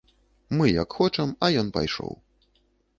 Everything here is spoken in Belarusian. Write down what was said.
Мы як хочам, а ён пайшоў.